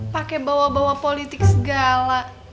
pakai bawa bawa politik segala